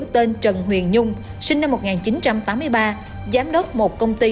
tên trần huyền nhung sinh năm một nghìn chín trăm tám mươi ba giám đốc một công ty